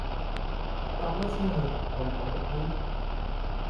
搭乜嘢車去紅磡海名軒